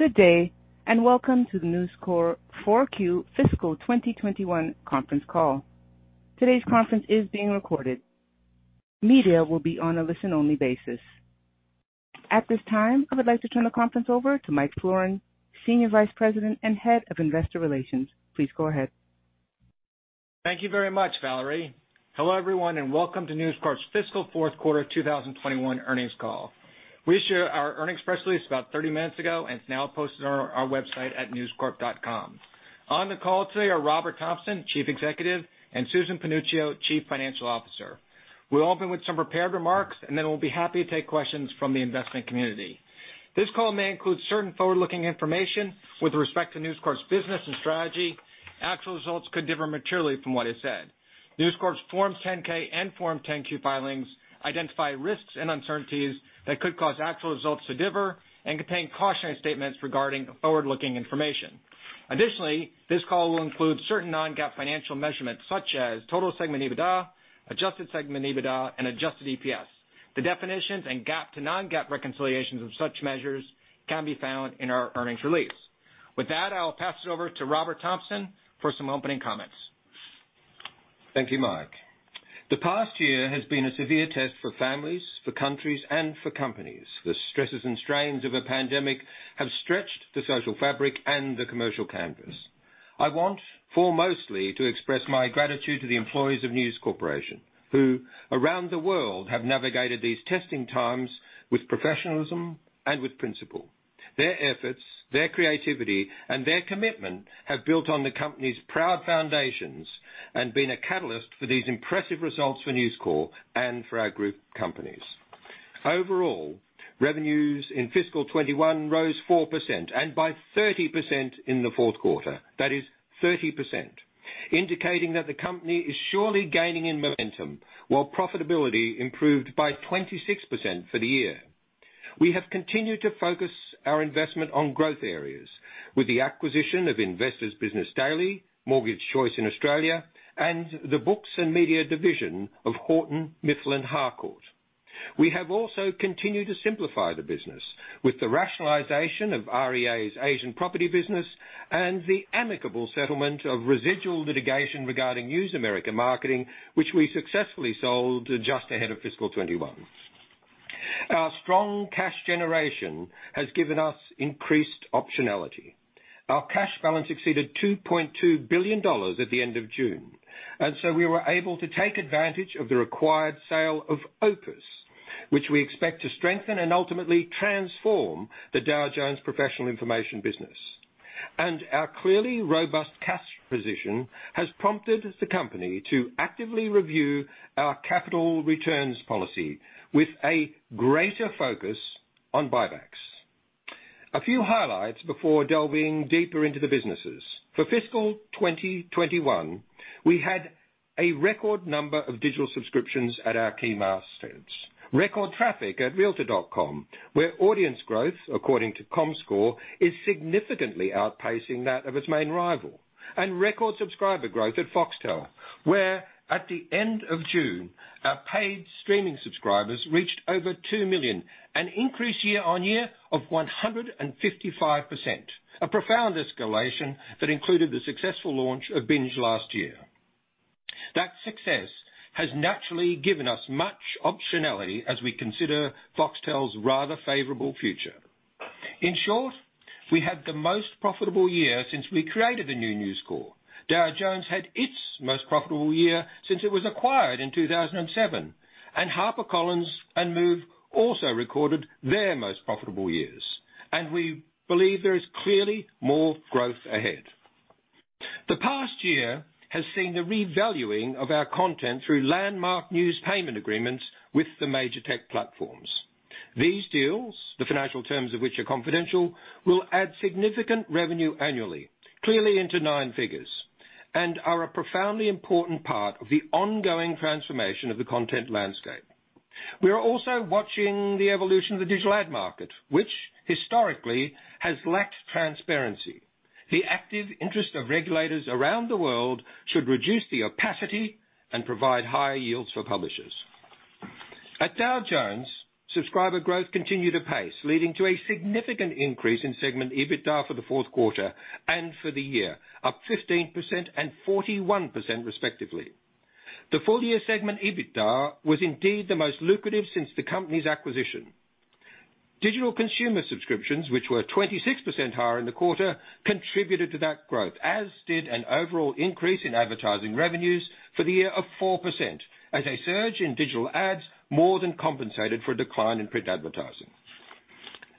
Good day, welcome to the News Corp 4Q Fiscal 2021 Conference Call. Today's conference is being recorded. Media will be on a listen-only basis. At this time, I would like to turn the conference over to Mike Florin, Senior Vice President and Head of Investor Relations. Please go ahead. Thank you very much, Valerie. Hello, everyone, and welcome to News Corp's Fiscal Fourth Quarter 2021 Earnings Call. We issued our earnings press release about 30 minutes ago and it's now posted on our website at newscorp.com. On the call today are Robert Thomson, Chief Executive, and Susan Panuccio, Chief Financial Officer. We'll open with some prepared remarks and then we'll be happy to take questions from the investment community. This call may include certain forward-looking information with respect to News Corp's business and strategy. Actual results could differ materially from what is said. News Corp's Forms 10-K and Form 10-Q filings identify risks and uncertainties that could cause actual results to differ and contain cautionary statements regarding forward-looking information. Additionally, this call will include certain non-GAAP financial measurements such as total segment EBITDA, adjusted segment EBITDA, and adjusted EPS. The definitions and GAAP to non-GAAP reconciliations of such measures can be found in our earnings release. With that, I'll pass it over to Robert Thomson for some opening comments. Thank you, Mike. The past year has been a severe test for families, for countries, and for companies. The stresses and strains of a pandemic have stretched the social fabric and the commercial canvas. I want foremostly to express my gratitude to the employees of News Corporation, who around the world have navigated these testing times with professionalism and with principle. Their efforts, their creativity, and their commitment have built on the company's proud foundations and been a catalyst for these impressive results for News Corp and for our group companies. Overall, revenues in fiscal 2021 rose 4% and by 30% in the fourth quarter. That is 30%, indicating that the company is surely gaining in momentum while profitability improved by 26% for the year. We have continued to focus our investment on growth areas with the acquisition of Investor's Business Daily, Mortgage Choice in Australia, and the books and media division of Houghton Mifflin Harcourt. We have also continued to simplify the business with the rationalization of REA Group's Asian property business and the amicable settlement of residual litigation regarding News America Marketing, which we successfully sold just ahead of fiscal 2021. Our strong cash generation has given us increased optionality. Our cash balance exceeded $2.2 billion at the end of June, and so we were able to take advantage of the required sale of OPIS, which we expect to strengthen and ultimately transform the Dow Jones professional information business. Our clearly robust cash position has prompted the company to actively review our capital returns policy with a greater focus on buybacks. A few highlights before delving deeper into the businesses. For fiscal 2021, we had a record number of digital subscriptions at our key mastheads, record traffic at realtor.com, where audience growth, according to Comscore, is significantly outpacing that of its main rival. Record subscriber growth at Foxtel, where at the end of June, our paid streaming subscribers reached over 2 million, an increase year-on-year of 155%, a profound escalation that included the successful launch of Binge last year. That success has naturally given us much optionality as we consider Foxtel's rather favorable future. In short, we had the most profitable year since we created the new News Corp. Dow Jones had its most profitable year since it was acquired in 2007, HarperCollins and Move also recorded their most profitable years. We believe there is clearly more growth ahead. The past year has seen the revaluing of our content through landmark news payment agreements with the major tech platforms. These deals, the financial terms of which are confidential, will add significant revenue annually, clearly into nine figures, and are a profoundly important part of the ongoing transformation of the content landscape. We are also watching the evolution of the digital ad market, which historically has lacked transparency. The active interest of regulators around the world should reduce the opacity and provide higher yields for publishers. At Dow Jones, subscriber growth continued apace, leading to a significant increase in segment EBITDA for the fourth quarter and for the year, up 15% and 41% respectively. The full-year segment EBITDA was indeed the most lucrative since the company's acquisition. Digital consumer subscriptions, which were 26% higher in the quarter, contributed to that growth, as did an overall increase in advertising revenues for the year of 4%, as a surge in digital ads more than compensated for a decline in print advertising.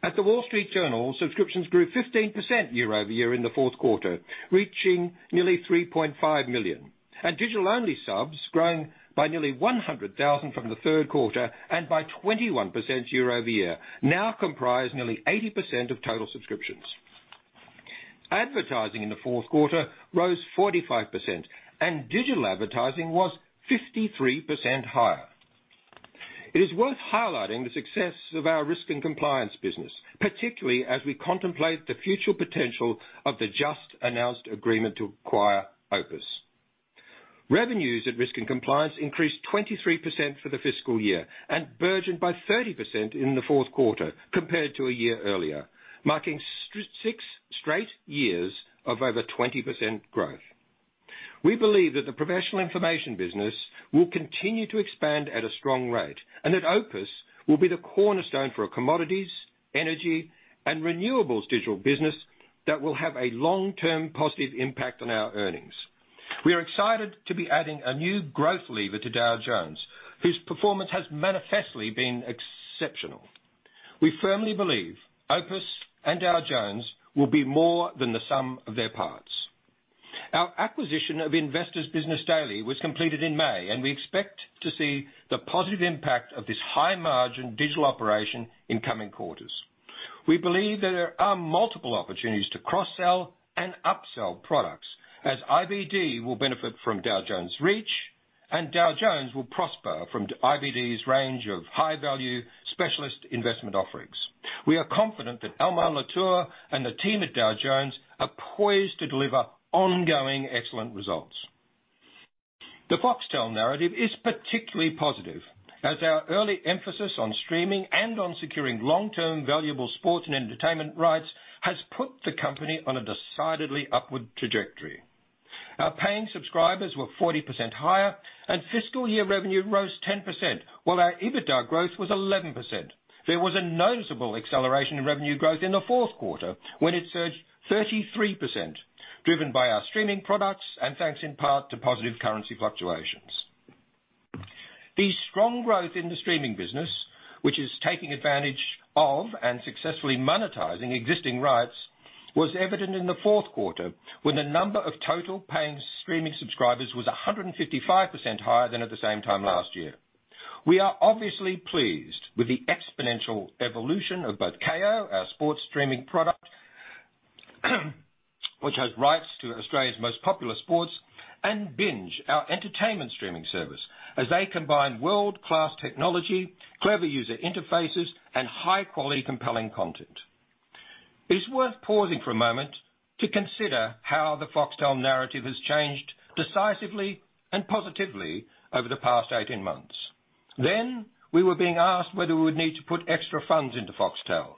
At The Wall Street Journal, subscriptions grew 15% year-over-year in the fourth quarter, reaching nearly 3.5 million. Digital-only subs, growing by nearly 100,000 from the third quarter and by 21% year-over-year, now comprise nearly 80% of total subscriptions. Advertising in the fourth quarter rose 45%, and digital advertising was 53% higher. It is worth highlighting the success of our Risk & Compliance business, particularly as we contemplate the future potential of the just-announced agreement to acquire OPIS. Revenues at Risk & Compliance increased 23% for the fiscal year and burgeoned by 30% in the fourth quarter compared to a year earlier, marking six straight years of over 20% growth. We believe that the professional information business will continue to expand at a strong rate, and that OPIS will be the cornerstone for a commodities, energy, and renewables digital business that will have a long-term positive impact on our earnings. We are excited to be adding a new growth lever to Dow Jones, whose performance has manifestly been exceptional. We firmly believe OPIS and Dow Jones will be more than the sum of their parts. Our acquisition of Investor's Business Daily was completed in May, and we expect to see the positive impact of this high-margin digital operation in coming quarters. We believe that there are multiple opportunities to cross-sell and upsell products as IBD will benefit from Dow Jones' reach, and Dow Jones will prosper from IBD's range of high-value specialist investment offerings. We are confident that Almar Latour and the team at Dow Jones are poised to deliver ongoing excellent results. The Foxtel narrative is particularly positive, as our early emphasis on streaming and on securing long-term, valuable sports and entertainment rights has put the company on a decidedly upward trajectory. Our paying subscribers were 40% higher and fiscal year revenue rose 10%, while our EBITDA growth was 11%. There was a noticeable acceleration in revenue growth in the fourth quarter, when it surged 33%, driven by our streaming products and thanks in part to positive currency fluctuations. The strong growth in the streaming business, which is taking advantage of and successfully monetizing existing rights, was evident in the fourth quarter, when the number of total paying streaming subscribers was 155% higher than at the same time last year. We are obviously pleased with the exponential evolution of both Kayo, our sports streaming product, which has rights to Australia's most popular sports, and Binge, our entertainment streaming service, as they combine world-class technology, clever user interfaces, and high-quality, compelling content. It's worth pausing for a moment to consider how the Foxtel narrative has changed decisively and positively over the past 18 months. We were being asked whether we would need to put extra funds into Foxtel.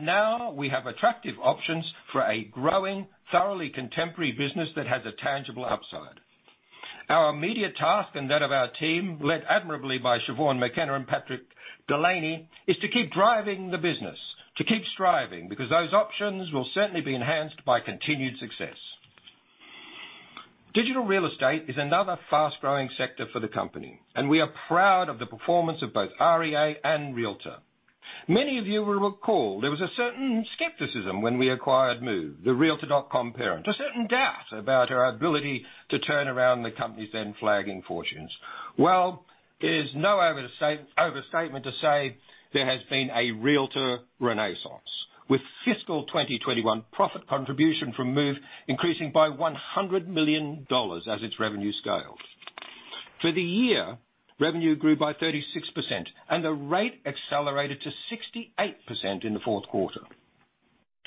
Now we have attractive options for a growing, thoroughly contemporary business that has a tangible upside. Our immediate task and that of our team, led admirably by Siobhan McKenna and Patrick Delany, is to keep driving the business, to keep striving, because those options will certainly be enhanced by continued success. Digital real estate is another fast-growing sector for the company, and we are proud of the performance of both REA and Realtor. Many of you will recall there was a certain skepticism when we acquired Move, the realtor.com parent. A certain doubt about our ability to turn around the company's then flagging fortunes. Well, it is no overstatement to say there has been a Realtor renaissance, with fiscal 2021 profit contribution from Move increasing by $100 million as its revenue scaled. For the year, revenue grew by 36%, and the rate accelerated to 68% in the fourth quarter.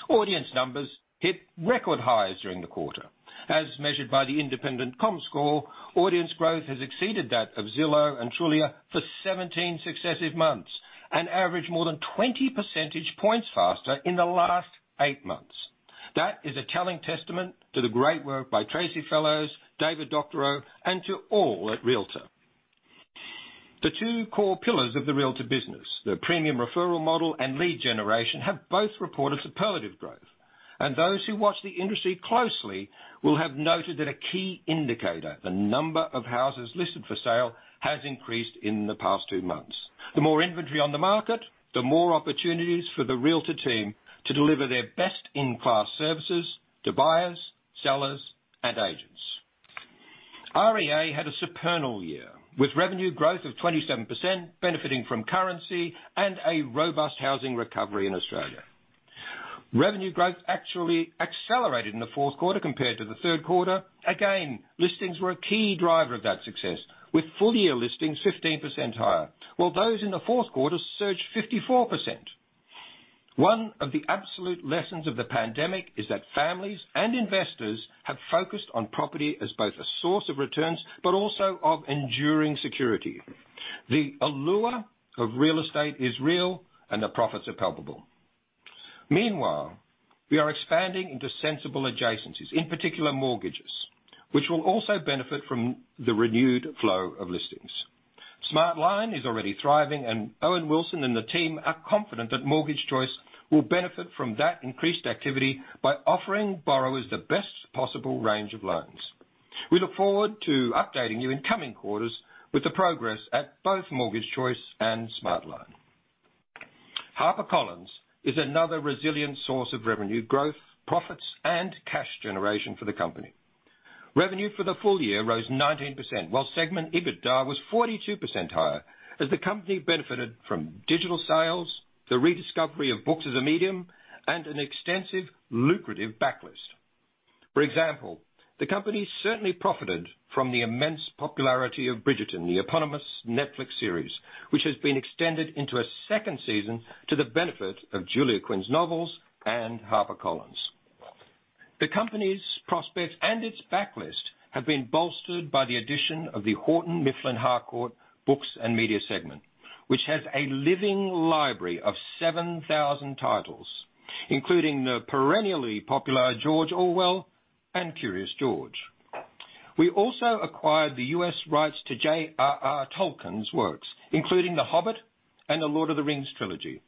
Audience numbers hit record highs during the quarter. As measured by the independent Comscore, audience growth has exceeded that of Zillow and Trulia for 17 successive months, and averaged more than 20 percentage points faster in the last eight months. That is a telling testament to the great work by Tracy Fellows, David Doctorow, and to all at Realtor. The two core pillars of the Realtor business, the premium referral model and lead generation, have both reported superlative growth. Those who watch the industry closely will have noted that a key indicator, the number of houses listed for sale, has increased in the past two months. The more inventory on the market, the more opportunities for the Realtor team to deliver their best-in-class services to buyers, sellers, and agents. REA had a supernal year, with revenue growth of 27%, benefiting from currency and a robust housing recovery in Australia. Revenue growth actually accelerated in the fourth quarter compared to the third quarter. Again, listings were a key driver of that success, with full-year listings 15% higher, while those in the fourth quarter surged 54%. One of the absolute lessons of the pandemic is that families and investors have focused on property as both a source of returns, but also of enduring security. The allure of real estate is real, and the profits are palpable. Meanwhile, we are expanding into sensible adjacencies, in particular mortgages, which will also benefit from the renewed flow of listings. Smartline is already thriving, and Owen Wilson and the team are confident that Mortgage Choice will benefit from that increased activity by offering borrowers the best possible range of loans. We look forward to updating you in coming quarters with the progress at both Mortgage Choice and Smartline. HarperCollins is another resilient source of revenue growth, profits, and cash generation for the company. Revenue for the full year rose 19%, while segment EBITDA was 42% higher as the company benefited from digital sales, the rediscovery of books as a medium, and an extensive, lucrative backlist. For example, the company certainly profited from the immense popularity of Bridgerton, the eponymous Netflix series, which has been extended into a second season to the benefit of Julia Quinn's novels and HarperCollins. The company's prospects and its backlist have been bolstered by the addition of the Houghton Mifflin Harcourt Books & Media segment, which has a living library of 7,000 titles, including the perennially popular George Orwell and Curious George. We also acquired the U.S. rights to J.R.R. Tolkien's works, including "The Hobbit" and "The Lord of the Rings" trilogy,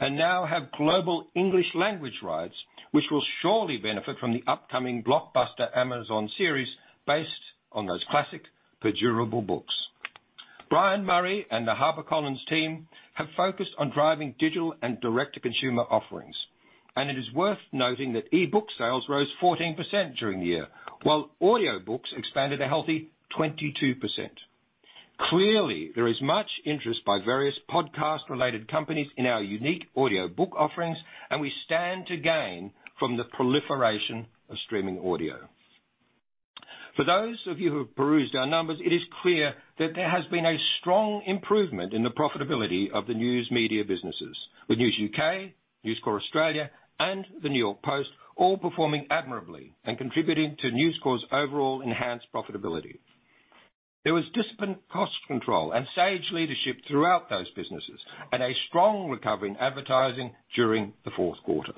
and now have global English language rights, which will surely benefit from the upcoming blockbuster Amazon series based on those classic but durable books. Brian Murray and the HarperCollins team have focused on driving digital and direct-to-consumer offerings. It is worth noting that e-book sales rose 14% during the year, while audiobooks expanded a healthy 22%. Clearly, there is much interest by various podcast-related companies in our unique audiobook offerings. We stand to gain from the proliferation of streaming audio. For those of you who have perused our numbers, it is clear that there has been a strong improvement in the profitability of the news media businesses, with News UK, News Corp Australia, and the New York Post all performing admirably and contributing to News Corp's overall enhanced profitability. There was disciplined cost control and sage leadership throughout those businesses and a strong recovery in advertising during the fourth quarter.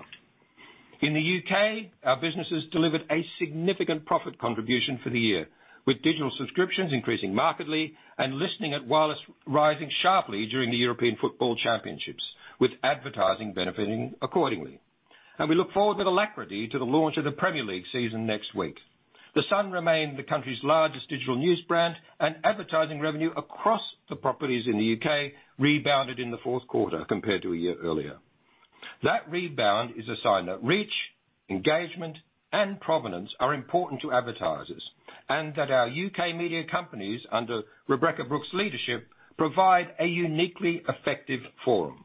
In the U.K., our businesses delivered a significant profit contribution for the year, with digital subscriptions increasing markedly and listening at Wireless rising sharply during the European Football Championships, with advertising benefiting accordingly. We look forward with alacrity to the launch of the Premier League season next week. The Sun remained the country's largest digital news brand, and advertising revenue across the properties in the U.K. rebounded in the fourth quarter compared to a year earlier. That rebound is a sign that reach, engagement, and provenance are important to advertisers and that our U.K. media companies, under Rebekah Brooks' leadership, provide a uniquely effective forum.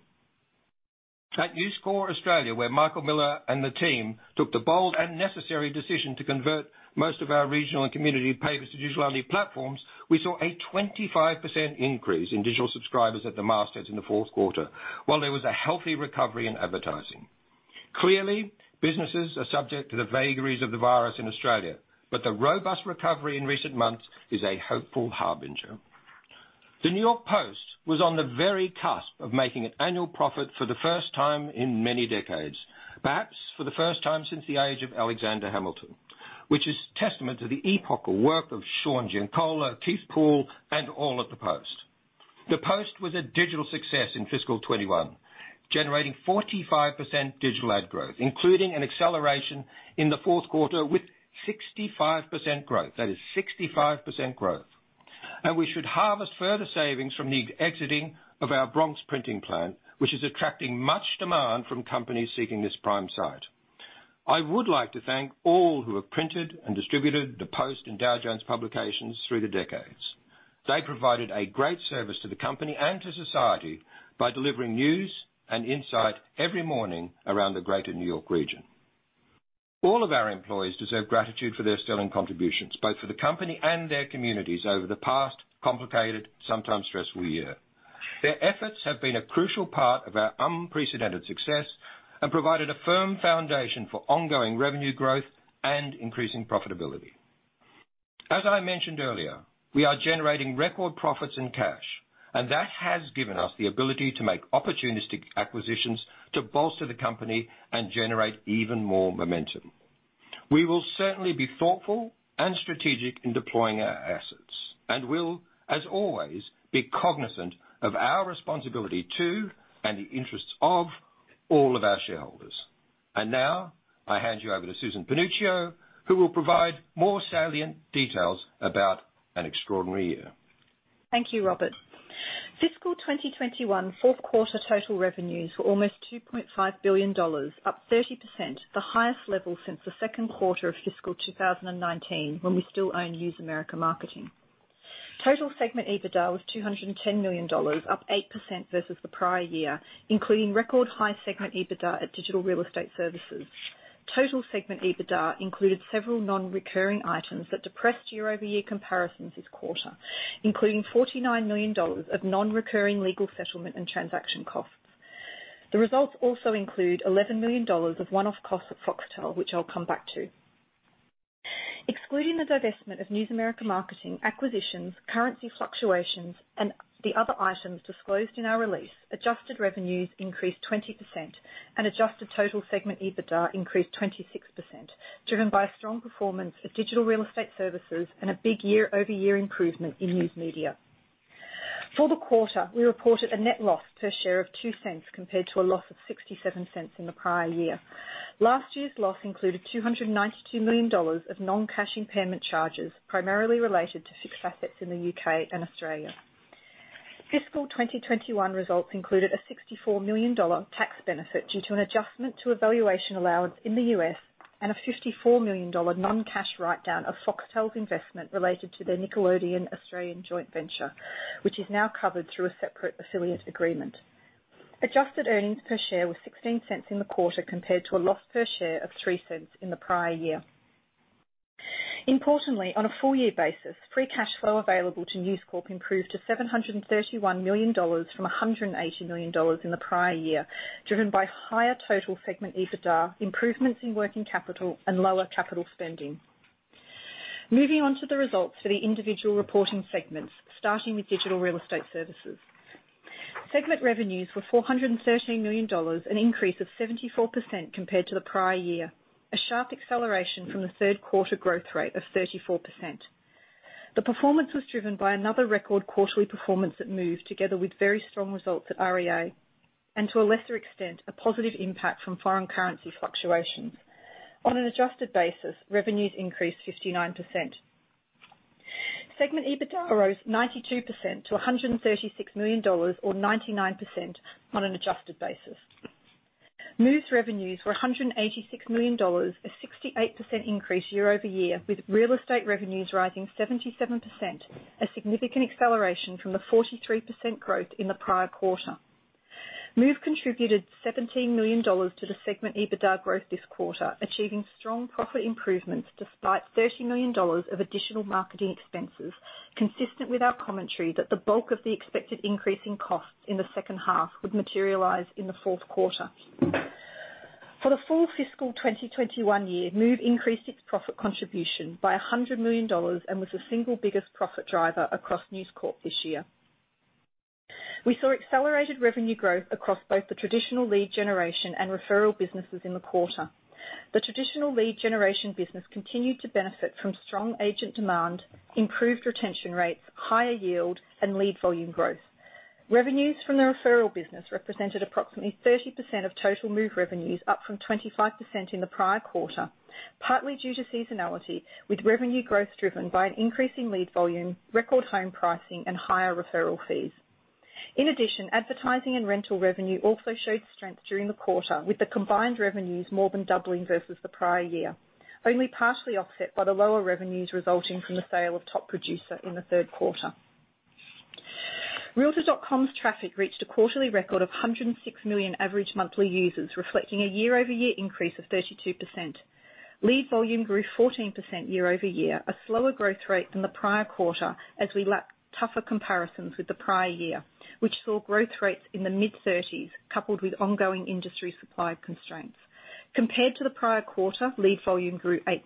At News Corp Australia, where Michael Miller and the team took the bold and necessary decision to convert most of our regional and community papers to digital-only platforms, we saw a 25% increase in digital subscribers at the mastheads in the fourth quarter, while there was a healthy recovery in advertising. Clearly, businesses are subject to the vagaries of the virus in Australia, but the robust recovery in recent months is a hopeful harbinger. The New York Post was on the very cusp of making an annual profit for the first time in many decades, perhaps for the first time since the age of Alexander Hamilton, which is testament to the epochal work of Sean Giancola, Keith Poole, and all at the Post. The Post was a digital success in fiscal 2021, generating 45% digital ad growth, including an acceleration in the fourth quarter with 65% growth. That is 65% growth. We should harvest further savings from the exiting of our Bronx printing plant, which is attracting much demand from companies seeking this prime site. I would like to thank all who have printed and distributed the Post and Dow Jones publications through the decades. They provided a great service to the company and to society by delivering news and insight every morning around the greater New York region. All of our employees deserve gratitude for their sterling contributions, both for the company and their communities over the past complicated, sometimes stressful year. Their efforts have been a crucial part of our unprecedented success and provided a firm foundation for ongoing revenue growth and increasing profitability. As I mentioned earlier, we are generating record profits and cash. That has given us the ability to make opportunistic acquisitions to bolster the company and generate even more momentum. We will certainly be thoughtful and strategic in deploying our assets and will, as always, be cognizant of our responsibility to, and the interests of, all of our shareholders. Now I hand you over to Susan Panuccio, who will provide more salient details about an extraordinary year. Thank you, Robert. Fiscal 2021 fourth quarter total revenues were almost $2.5 billion, up 30%, the highest level since the second quarter of fiscal 2019, when we still owned News America Marketing. Total segment EBITDA was $210 million, up 8% versus the prior year, including record high segment EBITDA at Digital Real Estate Services. Total segment EBITDA included several non-recurring items that depressed year-over-year comparisons this quarter, including $49 million of non-recurring legal settlement and transaction costs. The results also include $11 million of one-off costs at Foxtel, which I'll come back to. Excluding the divestment of News America Marketing acquisitions, currency fluctuations, and the other items disclosed in our release, adjusted revenues increased 20%, and adjusted total segment EBITDA increased 26%, driven by a strong performance of Digital Real Estate Services and a big year-over-year improvement in News Media. For the quarter, we reported a net loss per share of $0.02, compared to a loss of $0.67 in the prior year. Last year's loss included $292 million of non-cash impairment charges, primarily related to fixed assets in the U.K. and Australia. Fiscal 2021 results included a $64 million tax benefit due to an adjustment to a valuation allowance in the U.S. and a $54 million non-cash write down of Foxtel's investment related to their Nickelodeon Australian joint venture, which is now covered through a separate affiliate agreement. Adjusted earnings per share were $0.16 in the quarter, compared to a loss per share of $0.03 in the prior year. Importantly, on a full year basis, free cash flow available to News Corp improved to $731 million from $180 million in the prior year, driven by higher total segment EBITDA, improvements in working capital, and lower capital spending. Moving on to the results for the individual reporting segments, starting with Digital Real Estate Services. Segment revenues were $413 million, an increase of 74% compared to the prior year, a sharp acceleration from the third quarter growth rate of 34%. On an adjusted basis, revenues increased 59%. Segment EBITDA rose 92% to $136 million, or 99% on an adjusted basis. Move's revenues were $186 million, a 68% increase year-over-year, with real estate revenues rising 77%, a significant acceleration from the 43% growth in the prior quarter. Move contributed $17 million to the segment EBITDA growth this quarter, achieving strong profit improvements despite $30 million of additional marketing expenses, consistent with our commentary that the bulk of the expected increase in costs in the second half would materialize in the fourth quarter. For the full fiscal 2021 year, Move increased its profit contribution by $100 million and was the single biggest profit driver across News Corp this year. We saw accelerated revenue growth across both the traditional lead generation and referral businesses in the quarter. The traditional lead generation business continued to benefit from strong agent demand, improved retention rates, higher yield, and lead volume growth. Revenues from the referral business represented approximately 30% of total Move revenues, up from 25% in the prior quarter, partly due to seasonality, with revenue growth driven by an increase in lead volume, record home pricing, and higher referral fees. In addition, advertising and rental revenue also showed strength during the quarter, with the combined revenues more than doubling versus the prior year, only partially offset by the lower revenues resulting from the sale of Top Producer in the third quarter. Realtor.com traffic reached a quarterly record of 106 million average monthly users, reflecting a year-over-year increase of 32%. Lead volume grew 14% year-over-year, a slower growth rate than the prior quarter as we lacked tougher comparisons with the prior year, which saw growth rates in the mid-30s coupled with ongoing industry supply constraints. Compared to the prior quarter, lead volume grew 8%.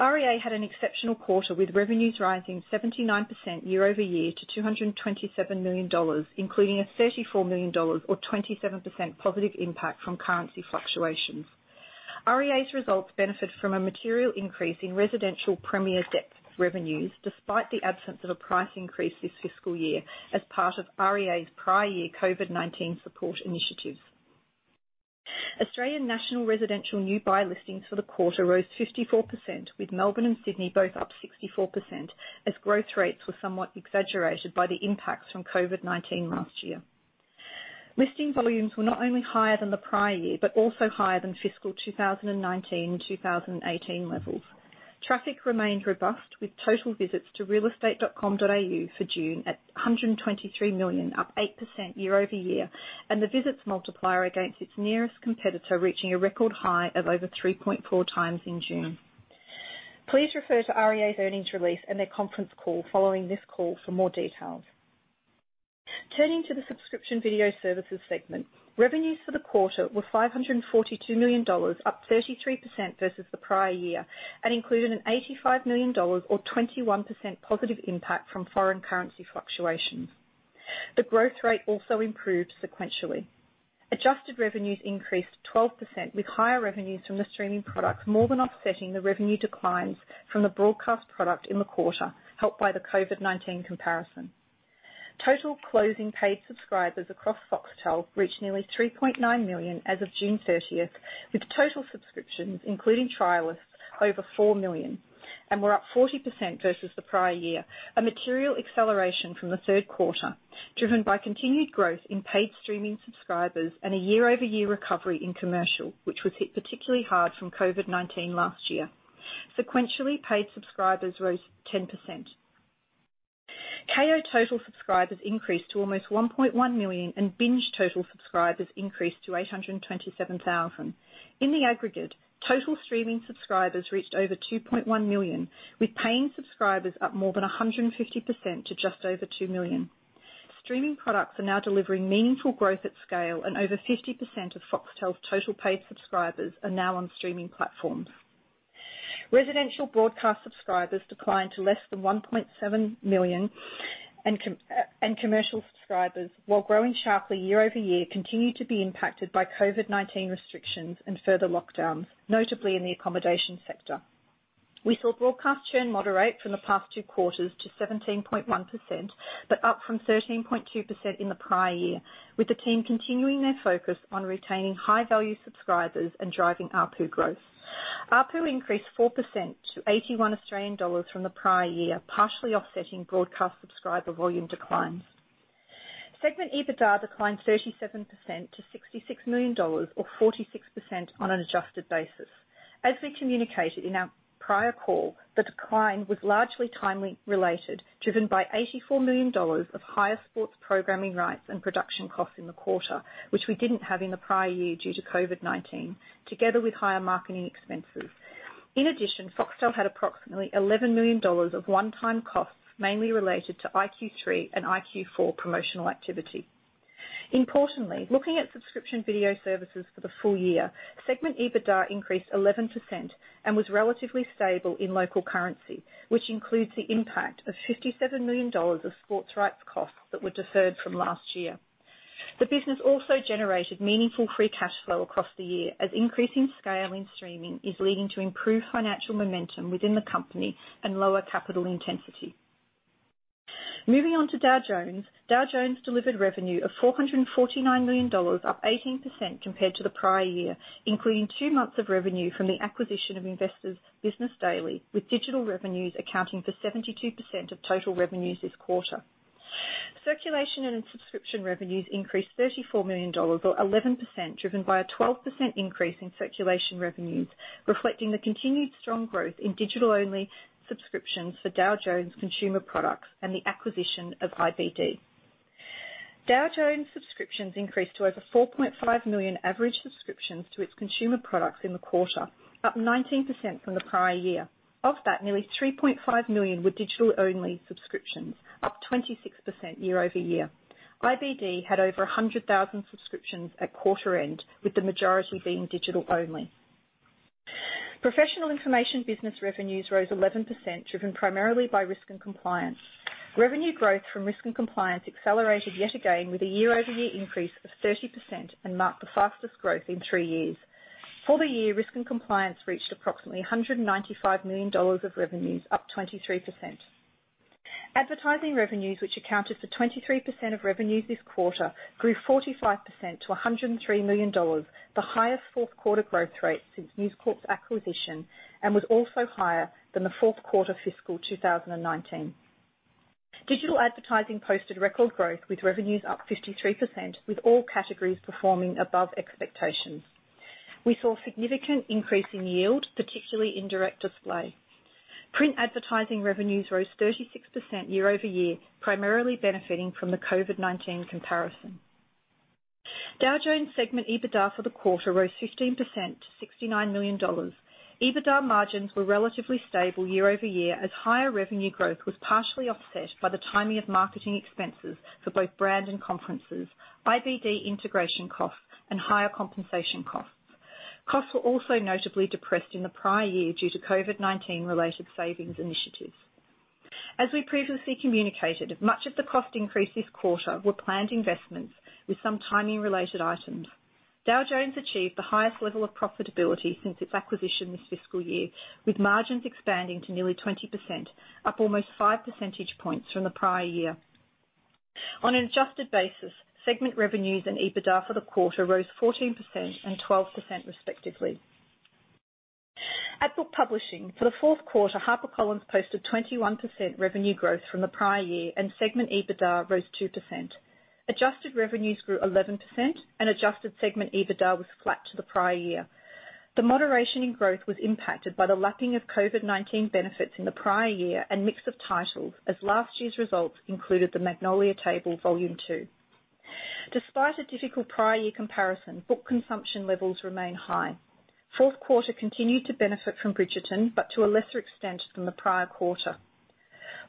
REA had an exceptional quarter, with revenues rising 79% year-over-year to $227 million, including a $34 million or 27% positive impact from currency fluctuations. REA's results benefit from a material increase in residential premier depth revenues, despite the absence of a price increase this fiscal year as part of REA's prior year COVID-19 support initiatives. Australian national residential new buy listings for the quarter rose 54%, with Melbourne and Sydney both up 64%, as growth rates were somewhat exaggerated by the impacts from COVID-19 last year. Listing volumes were not only higher than the prior year but also higher than fiscal 2019 and 2018 levels. Traffic remained robust, with total visits to realestate.com.au for June at 123 million, up 8% year-over-year, and the visits multiplier against its nearest competitor reaching a record high of over 3.4x in June. Please refer to REA's earnings release and their conference call following this call for more details. Turning to the subscription video services segment, revenues for the quarter were $542 million, up 33% versus the prior year, and included an $85 million or 21% positive impact from foreign currency fluctuations. The growth rate also improved sequentially. Adjusted revenues increased 12%, with higher revenues from the streaming products more than offsetting the revenue declines from the broadcast product in the quarter, helped by the COVID-19 comparison. Total closing paid subscribers across Foxtel reached nearly 3.9 million as of June 30th, with total subscriptions, including trialists, over 4 million, and were up 40% versus the prior year, a material acceleration from the third quarter driven by continued growth in paid streaming subscribers and a year-over-year recovery in commercial, which was hit particularly hard from COVID-19 last year. Sequentially, paid subscribers rose 10%. Kayo total subscribers increased to almost 1.1 million, and Binge total subscribers increased to 827,000. In the aggregate, total streaming subscribers reached over 2.1 million, with paying subscribers up more than 150% to just over 2 million. Streaming products are now delivering meaningful growth at scale, and over 50% of Foxtel's total paid subscribers are now on streaming platforms. Residential broadcast subscribers declined to less than 1.7 million, and commercial subscribers, while growing sharply year-over-year, continued to be impacted by COVID-19 restrictions and further lockdowns, notably in the accommodation sector. We saw broadcast churn moderate from the past two quarters to 17.1%, but up from 13.2% in the prior year, with the team continuing their focus on retaining high-value subscribers and driving ARPU growth. ARPU increased 4% to 81 Australian dollars from the prior year, partially offsetting broadcast subscriber volume declines. Segment EBITDA declined 37% to $66 million, or 46% on an adjusted basis. As we communicated in our prior call, the decline was largely timing related, driven by $84 million of higher sports programming rights and production costs in the quarter, which we didn't have in the prior year due to COVID-19, together with higher marketing expenses. In addition, Foxtel had approximately $11 million of one-time costs, mainly related to iQ3 and iQ4 promotional activity. Importantly, looking at subscription video services for the full year, segment EBITDA increased 11% and was relatively stable in local currency, which includes the impact of $57 million of sports rights costs that were deferred from last year. The business also generated meaningful free cash flow across the year, as increasing scale in streaming is leading to improved financial momentum within the company and lower capital intensity. Moving on to Dow Jones. Dow Jones delivered revenue of $449 million, up 18% compared to the prior year, including two months of revenue from the acquisition of Investor's Business Daily, with digital revenues accounting for 72% of total revenues this quarter. Circulation and subscription revenues increased $34 million or 11%, driven by a 12% increase in circulation revenues, reflecting the continued strong growth in digital-only subscriptions for Dow Jones consumer products and the acquisition of IBD. Dow Jones subscriptions increased to over 4.5 million average subscriptions to its consumer products in the quarter, up 19% from the prior year. Of that, nearly 3.5 million were digital-only subscriptions, up 26% year-over-year. IBD had over 100,000 subscriptions at quarter end, with the majority being digital only. Professional information business revenues rose 11%, driven primarily by Risk & Compliance. Revenue growth from Risk & Compliance accelerated yet again with a year-over-year increase of 30% and marked the fastest growth in three years. For the year, Risk & Compliance reached approximately $195 million of revenues, up 23%. Advertising revenues, which accounted for 23% of revenues this quarter, grew 45% to $103 million, the highest fourth quarter growth rate since News Corp's acquisition, and was also higher than the fourth quarter fiscal 2019. Digital advertising posted record growth, with revenues up 53%, with all categories performing above expectations. We saw significant increase in yield, particularly in direct display. Print advertising revenues rose 36% year-over-year, primarily benefiting from the COVID-19 comparison. Dow Jones segment EBITDA for the quarter rose 15% to $69 million. EBITDA margins were relatively stable year-over-year, as higher revenue growth was partially offset by the timing of marketing expenses for both brand and conferences, IBD integration costs, and higher compensation costs. Costs were also notably depressed in the prior year due to COVID-19-related savings initiatives. As we previously communicated, much of the cost increase this quarter were planned investments with some timing-related items. Dow Jones achieved the highest level of profitability since its acquisition this fiscal year, with margins expanding to nearly 20%, up almost five percentage points from the prior year. On an adjusted basis, segment revenues and EBITDA for the quarter rose 14% and 12%, respectively. At Book Publishing, for the fourth quarter, HarperCollins posted 21% revenue growth from the prior year, and segment EBITDA rose 2%. Adjusted revenues grew 11%, and adjusted segment EBITDA was flat to the prior year. The moderation in growth was impacted by the lapping of COVID-19 benefits in the prior year and mix of titles, as last year's results included "The Magnolia Table, Volume 2." Despite a difficult prior year comparison, book consumption levels remain high. Fourth quarter continued to benefit from "Bridgerton," but to a lesser extent than the prior quarter.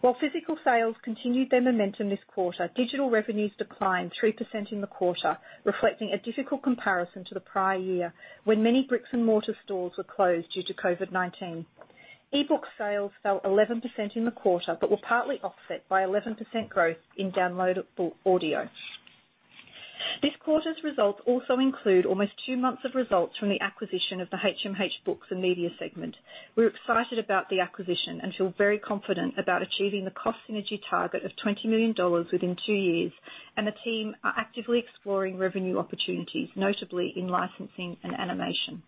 While physical sales continued their momentum this quarter, digital revenues declined 3% in the quarter, reflecting a difficult comparison to the prior year, when many bricks and mortar stores were closed due to COVID-19. E-book sales fell 11% in the quarter, but were partly offset by 11% growth in downloadable audio. This quarter's results also include almost two months of results from the acquisition of the HMH Books & Media segment. We're excited about the acquisition and feel very confident about achieving the cost synergy target of $20 million within two years. The team are actively exploring revenue opportunities, notably in licensing and animation.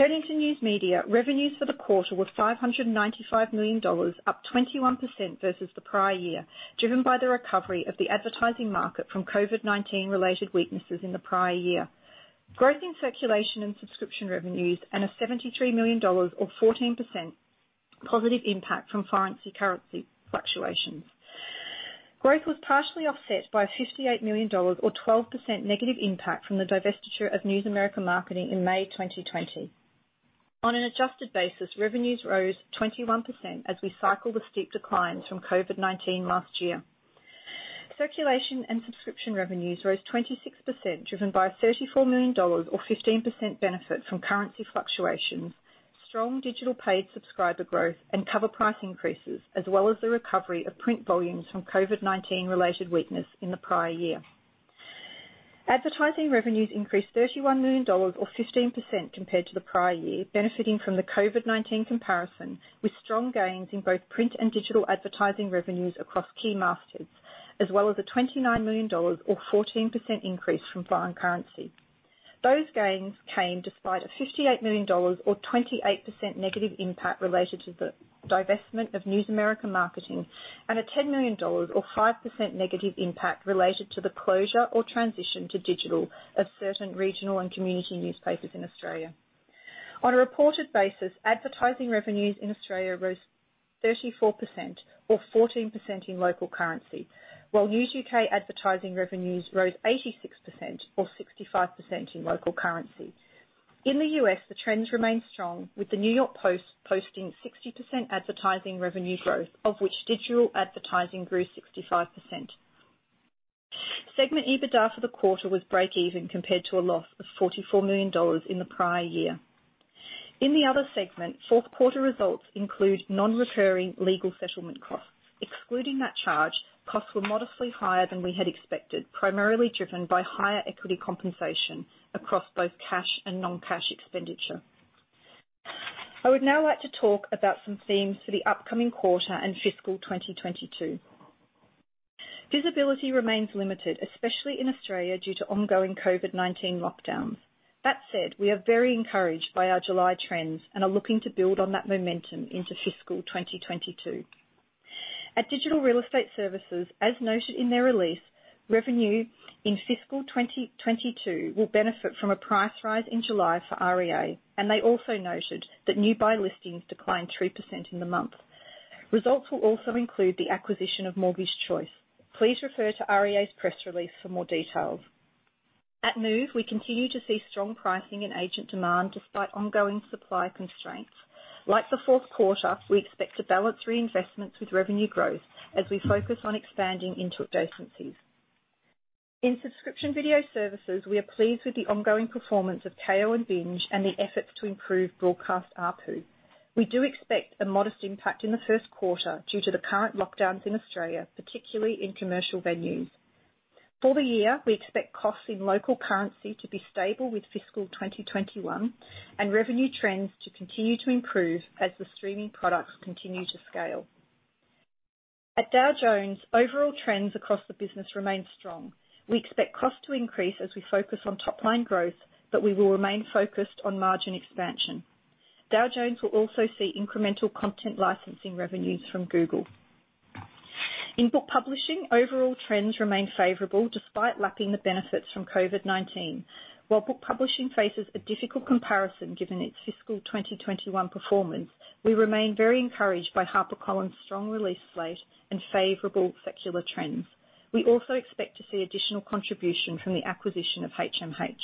Turning to News Media, revenues for the quarter were $595 million, up 21% versus the prior year, driven by the recovery of the advertising market from COVID-19-related weaknesses in the prior year, growth in circulation and subscription revenues, and a $73 million or 14% positive impact from foreign currency fluctuations. Growth was partially offset by a $58 million or 12% negative impact from the divestiture of News America Marketing in May 2020. On an adjusted basis, revenues rose 21% as we cycle the steep declines from COVID-19 last year. Circulation and subscription revenues rose 26%, driven by a $34 million or 15% benefit from currency fluctuations, strong digital paid subscriber growth, and cover price increases, as well as the recovery of print volumes from COVID-19-related weakness in the prior year. Advertising revenues increased $31 million or 15% compared to the prior year, benefiting from the COVID-19 comparison, with strong gains in both print and digital advertising revenues across key markets, as well as a $29 million or 14% increase from foreign currency. Those gains came despite a $58 million or 28% negative impact related to the divestment of News America Marketing and a $10 million or 5% negative impact related to the closure or transition to digital of certain regional and community newspapers in Australia. On a reported basis, advertising revenues in Australia rose 34% or 14% in local currency, while News UK advertising revenues rose 86% or 65% in local currency. In the U.S., the trends remain strong, with the New York Post posting 60% advertising revenue growth, of which digital advertising grew 65%. Segment EBITDA for the quarter was breakeven compared to a loss of $44 million in the prior year. In the other segment, fourth quarter results include non-recurring legal settlement costs. Excluding that charge, costs were modestly higher than we had expected, primarily driven by higher equity compensation across both cash and non-cash expenditure. I would now like to talk about some themes for the upcoming quarter and fiscal 2022. Visibility remains limited, especially in Australia, due to ongoing COVID-19 lockdowns. That said, we are very encouraged by our July trends and are looking to build on that momentum into fiscal 2022. At Digital Real Estate Services, as noted in their release, revenue in fiscal 2022 will benefit from a price rise in July for REA, and they also noted that new buy listings declined 3% in the month. Results will also include the acquisition of Mortgage Choice. Please refer to REA's press release for more details. At Move, we continue to see strong pricing and agent demand despite ongoing supply constraints. Like the fourth quarter, we expect to balance reinvestments with revenue growth as we focus on expanding into agencies. In subscription video services, we are pleased with the ongoing performance of Kayo and Binge and the efforts to improve broadcast ARPU. We do expect a modest impact in the first quarter due to the current lockdowns in Australia, particularly in commercial venues. For the year, we expect costs in local currency to be stable with fiscal 2021, and revenue trends to continue to improve as the streaming products continue to scale. At Dow Jones, overall trends across the business remain strong. We expect costs to increase as we focus on top-line growth, but we will remain focused on margin expansion. Dow Jones will also see incremental content licensing revenues from Google. In book publishing, overall trends remain favorable despite lacking the benefits from COVID-19. While book publishing faces a difficult comparison given its fiscal 2021 performance, we remain very encouraged by HarperCollins' strong release slate and favorable secular trends. We also expect to see additional contribution from the acquisition of HMH.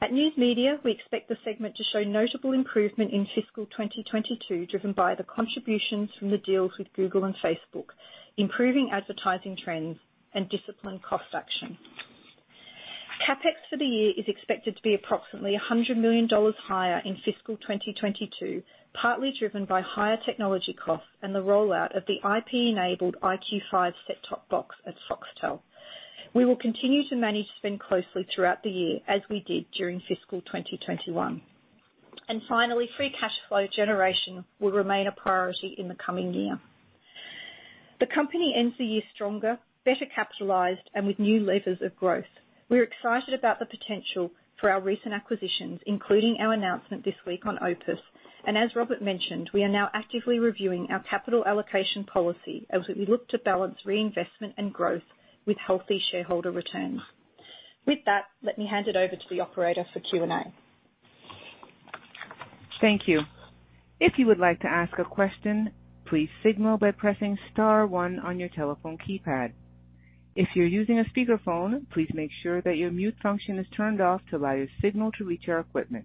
At News Media, we expect the segment to show notable improvement in fiscal 2022, driven by the contributions from the deals with Google and Facebook, improving advertising trends, and disciplined cost action. CapEx for the year is expected to be approximately $100 million higher in fiscal 2022, partly driven by higher technology costs and the rollout of the IP-enabled iQ5 set-top box at Foxtel. We will continue to manage spend closely throughout the year, as we did during fiscal 2021. Finally, free cash flow generation will remain a priority in the coming year. The company ends the year stronger, better capitalized, and with new levers of growth. We're excited about the potential for our recent acquisitions, including our announcement this week on OPIS. As Robert mentioned, we are now actively reviewing our capital allocation policy as we look to balance reinvestment and growth with healthy shareholder returns. With that, let me hand it over to the operator for Q&A. Thank you. If you would like to ask a question, please signal by pressing star one on your telephone keypad. If you're using a speakerphone, please make sure that your mute function is turned off to allow your signal to reach our equipment.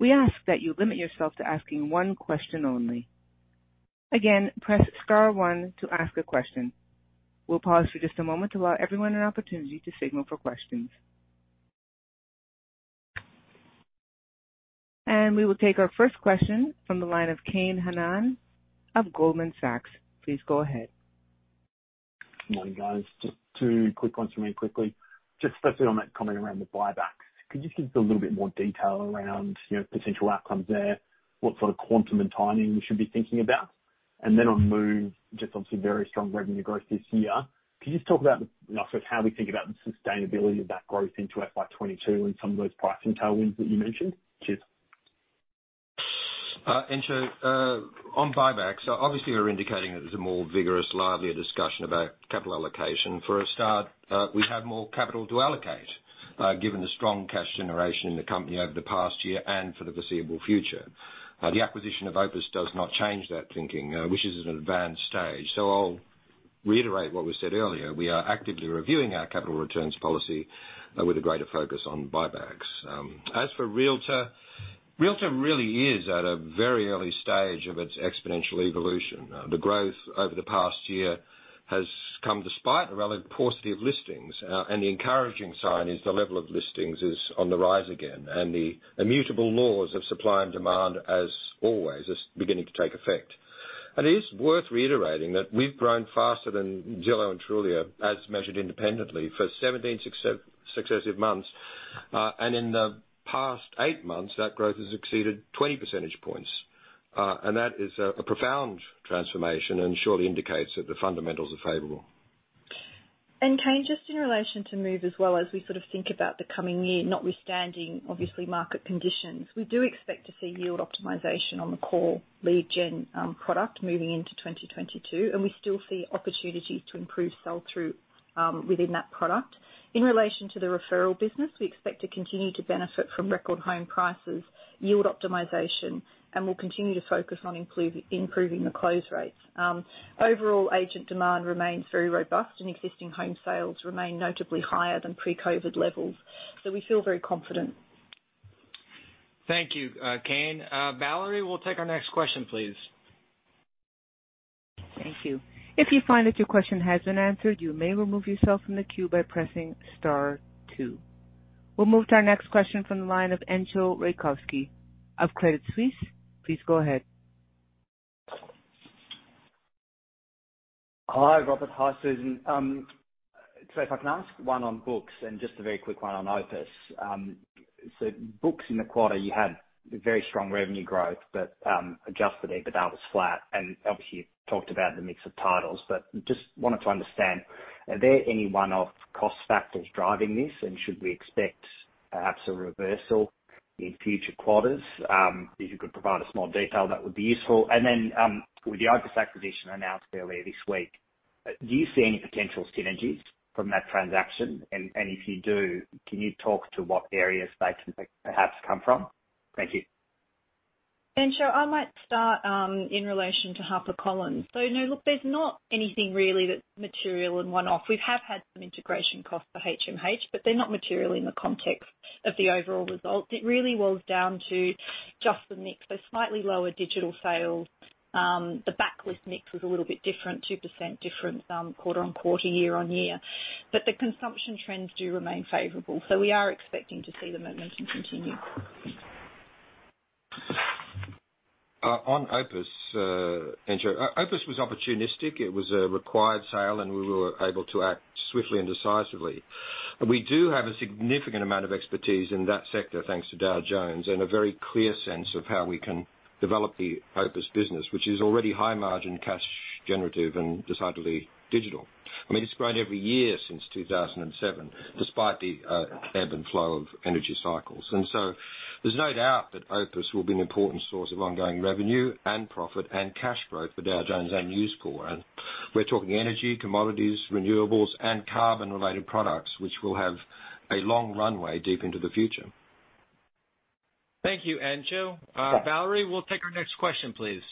We ask that you limit yourself to asking one question only. Again, press star one to ask a question. We'll pause for just a moment to allow everyone an opportunity to signal for questions. We will take our first question from the line of Kane Hannan of Goldman Sachs. Please go ahead. Morning, guys. Just two quick ones from me quickly. Just firstly on that comment around the buybacks. Could you give a little bit more detail around potential outcomes there, what sort of quantum and timing we should be thinking about? On Move, just on some very strong revenue growth this year, could you just talk about how we think about the sustainability of that growth into FY 2022 and some of those pricing tailwinds that you mentioned? Cheers. On buybacks, obviously we're indicating that there's a more vigorous, livelier discussion about capital allocation. For a start, we have more capital to allocate, given the strong cash generation in the company over the past year and for the foreseeable future. The acquisition of OPIS does not change that thinking, which is at an advanced stage. I'll reiterate what we said earlier. We are actively reviewing our capital returns policy with a greater focus on buybacks. As for Realtor really is at a very early stage of its exponential evolution. The growth over the past year has come despite the relative paucity of listings. The encouraging sign is the level of listings is on the rise again, and the immutable laws of supply and demand, as always, is beginning to take effect. It is worth reiterating that we've grown faster than Zillow and Trulia, as measured independently, for 17 successive months. In the past eight months, that growth has exceeded 20 percentage points. That is a profound transformation and surely indicates that the fundamentals are favorable. Kane, just in relation to Move as well as we think about the coming year, notwithstanding, obviously, market conditions, we do expect to see yield optimization on the core lead gen product moving into 2022, and we still see opportunities to improve sell-through within that product. In relation to the referral business, we expect to continue to benefit from record home prices, yield optimization, and we'll continue to focus on improving the close rates. Overall agent demand remains very robust, and existing home sales remain notably higher than pre-COVID levels. We feel very confident. Thank you, Kane. Valerie, we'll take our next question, please. Thank you. If you find that your question has been answered, you may remove yourself from the queue by pressing star two. We'll move to our next question from the line of Entcho Raykovski of Credit Suisse. Please go ahead. Hi, Robert. Hi, Susan. Sorry, if I can ask one on Books and just a very quick one on OPIS. Books in the quarter, you had very strong revenue growth, but adjusted EBITDA was flat. Obviously you talked about the mix of titles, but just wanted to understand, are there any one-off cost factors driving this? Should we expect perhaps a reversal in future quarters? If you could provide us more detail, that would be useful. With the OPIS acquisition announced earlier this week, do you see any potential synergies from that transaction? If you do, can you talk to what areas they can perhaps come from? Thank you. Entcho, I might start in relation to HarperCollins. No, look, there's not anything really that's material and one-off. We have had some integration costs for HMH, but they're not material in the context of the overall result. It really was down to just the mix. Slightly lower digital sales. The backlist mix was a little bit different, 2% different quarter on quarter, year-on-year. The consumption trends do remain favorable, so we are expecting to see the momentum continue. On OPIS, Entcho. OPIS was opportunistic. It was a required sale. We were able to act swiftly and decisively. We do have a significant amount of expertise in that sector, thanks to Dow Jones, a very clear sense of how we can develop the OPIS business, which is already high margin, cash generative, and decidedly digital. It's grown every year since 2007, despite the ebb and flow of energy cycles. There's no doubt that OPIS will be an important source of ongoing revenue and profit and cash flow for Dow Jones and News Corp. We're talking energy, commodities, renewables, and carbon-related products, which will have a long runway deep into the future. Thank you, Entcho. Valerie, we'll take our next question, please.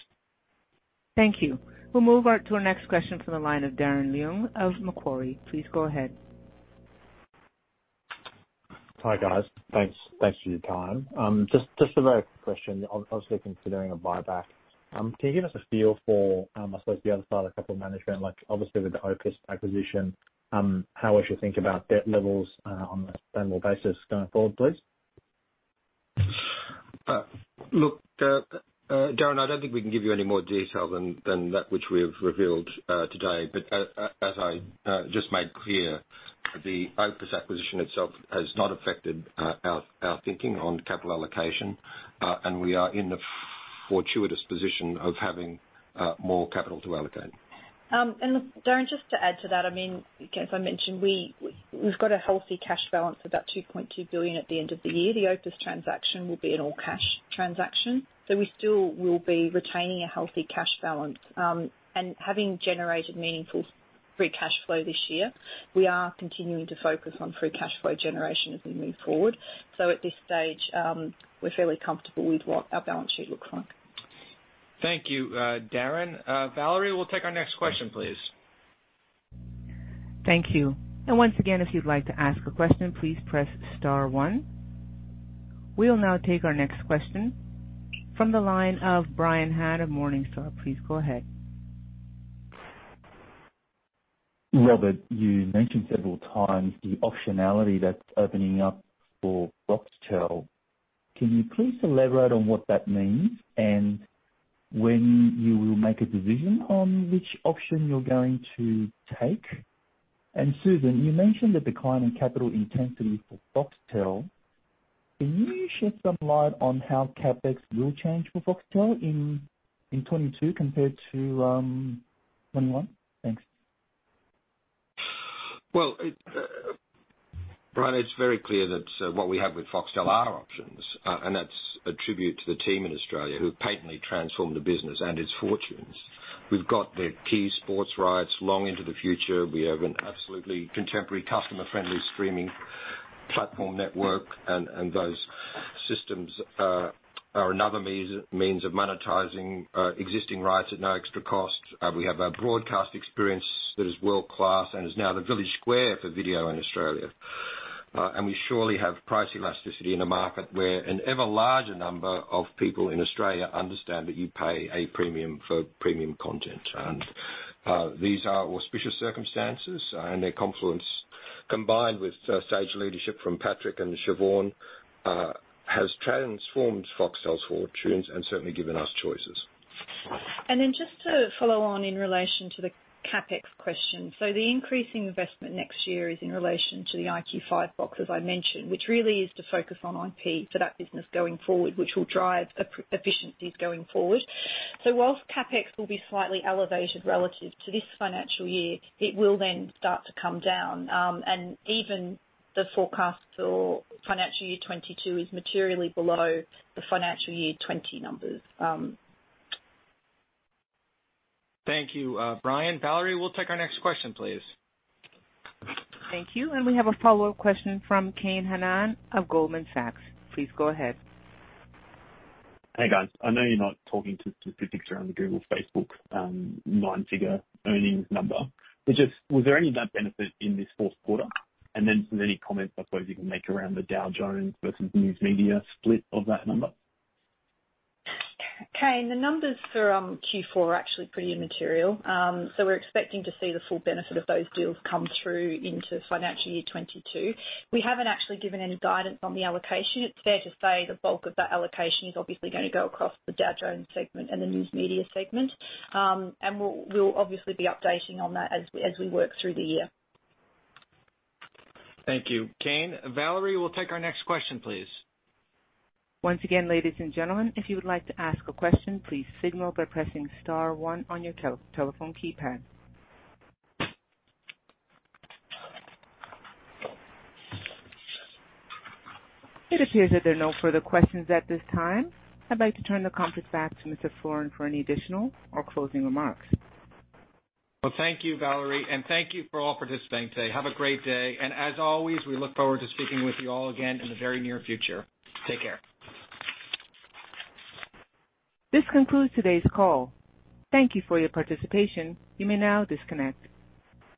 Thank you. We'll move to our next question from the line of Darren Leung of Macquarie. Please go ahead. Hi, guys. Thanks for your time. Just a very quick question, obviously considering a buyback. Can you give us a feel for, I suppose, the other side of the capital management, like obviously with the OPIS acquisition, how we should think about debt levels on a sustainable basis going forward, please? Look, Darren, I don't think we can give you any more detail than that which we have revealed today. As I just made clear, the OPIS acquisition itself has not affected our thinking on capital allocation. We are in the fortuitous position of having more capital to allocate. Look, Darren, just to add to that, as I mentioned, we've got a healthy cash balance of about $2.2 billion at the end of the year. The OPIS transaction will be an all-cash transaction. We still will be retaining a healthy cash balance. Having generated meaningful free cash flow this year, we are continuing to focus on free cash flow generation as we move forward. At this stage, we're fairly comfortable with what our balance sheet looks like. Thank you, Darren. Valerie, we'll take our next question, please. Thank you. Once again, if you'd like to ask a question, please press star one. We'll now take our next question from the line of Brian Han of Morningstar. Please go ahead. Robert, you mentioned several times the optionality that's opening up for Foxtel. Can you please elaborate on what that means, and when you will make a decision on which option you're going to take? Susan, you mentioned the decline in capital intensity for Foxtel. Can you shed some light on how CapEx will change for Foxtel in 2022 compared to 2021? Thanks. Brian, it's very clear that what we have with Foxtel are options. That's a tribute to the team in Australia who have patently transformed the business and its fortunes. We've got their key sports rights long into the future. We have an absolutely contemporary, customer-friendly streaming platform network. Those systems are another means of monetizing existing rights at no extra cost. We have a broadcast experience that is world-class and is now the village square for video in Australia. We surely have price elasticity in a market where an ever larger number of people in Australia understand that you pay a premium for premium content. These are auspicious circumstances, and their confluence, combined with sage leadership from Patrick and Siobhan, has transformed Foxtel's fortunes and certainly given us choices. Just to follow on in relation to the CapEx question. The increasing investment next year is in relation to the iQ5 box, as I mentioned, which really is to focus on IP for that business going forward, which will drive efficiencies going forward. Whilst CapEx will be slightly elevated relative to this financial year, it will then start to come down, and even the forecast for financial year 2022 is materially below the financial year 2020 numbers. Thank you, Brian. Valerie, we'll take our next question, please. Thank you. We have a follow-up question from Kane Hannan of Goldman Sachs. Please go ahead. Hey, guys. I know you're not talking to specifics around the Google, Facebook nine-figure earnings number. Just was there any of that benefit in this fourth quarter? Then any comments, I suppose you can make around the Dow Jones versus News Media split of that number? Kane, the numbers for Q4 are actually pretty immaterial. We're expecting to see the full benefit of those deals come through into financial year 2022. We haven't actually given any guidance on the allocation. It's fair to say the bulk of that allocation is obviously going to go across the Dow Jones segment and the News Media segment. We'll obviously be updating on that as we work through the year. Thank you, Kane. Valerie, we'll take our next question, please. Once again ladies and gentleman, if you would like to ask a question please signal by pressing star one on your telephone keypad. It appears that there are no further questions at this time. I'd like to turn the conference back to Mr. Florin for any additional or closing remarks. Well, thank you, Valerie, and thank you for all participating today. Have a great day, and as always, we look forward to speaking with you all again in the very near future. Take care. This concludes today's call. Thank you for your participation. You may now disconnect.